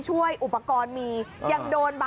สวัสดีครับ